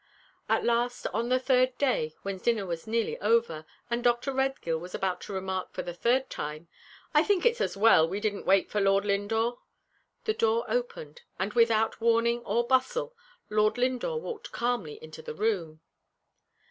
At last, on the third day, when dinner was nearly over, and Dr. Redgill was about to remark for the third time, "I think it's as well we didn't wait for Lord Lindore," the door opened, and, without warning or bustle, Lord Lindore walked calmly into the room.